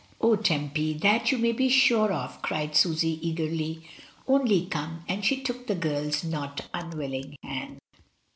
"O Tempy, that you may be sure of," cried Susy, eagerly, "only come!'* and she took the girl's not unwilling hand.